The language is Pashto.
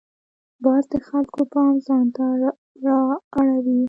باز د خلکو پام ځان ته را اړوي